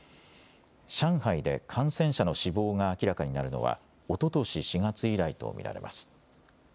上海で感染者の死亡が明らかになるのはおととし４月以来と見られます。